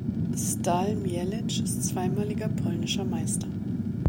Stal Mielec ist zweimaliger polnischer Meister.